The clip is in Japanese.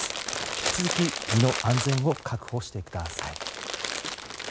引き続き身の安全を確保してください。